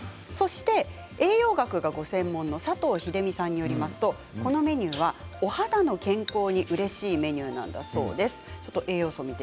そして栄養学がご専門の佐藤秀美さんによりますとこのメニューはお肌の健康にうれしいメニューなんだそうです。